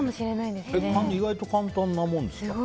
意外と簡単なものですか。